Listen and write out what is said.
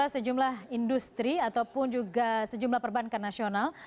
sejumlah industri ataupun juga sejumlah perbankan nasional